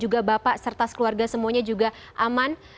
terima kasih juga bapak serta sekeluarga semuanya juga aman